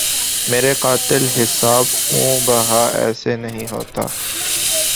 مرے قاتل حساب خوں بہا ایسے نہیں ہوتا